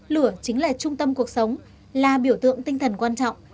lửa chính là trung tâm cuộc sống là biểu tượng tinh thần quan trọng